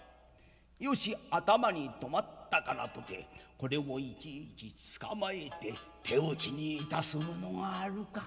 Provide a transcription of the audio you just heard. よし頭に止まったからとてこれをいちいち捕まえて手討ちにいたす者があるか。